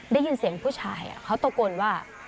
ได้ยินเสียงผู้ชายเขาตะโกนว่า